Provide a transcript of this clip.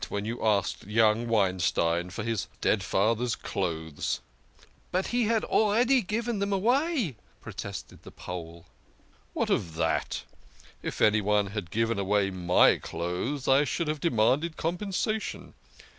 When you asked young Wein stein for his dead father's clothes !"" But he had already given them away !" protested the Pole. " What of that ? If anyone had given away my clothes, I should have demanded compensation.